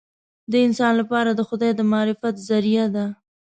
د انسان لپاره د خدای د معرفت ذریعه ده.